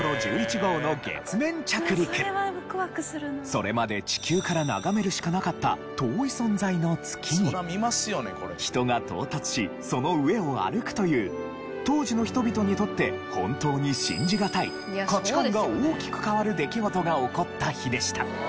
それまで地球から眺めるしかなった遠い存在の月に人が到達しその上を歩くという当時の人々にとって本当に信じがたい価値観が大きく変わる出来事が起こった日でした。